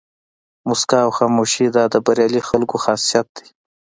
موسکا او خاموشي دا د بریالي خلکو خاصیت دی.